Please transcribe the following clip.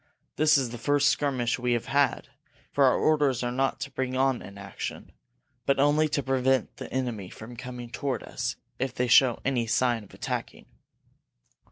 This is the first skirmish we have had, for our orders are not to bring on an action, but only to prevent the enemy from coming toward us if they show any sign of attacking."